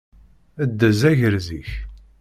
Ddez agerz-ik!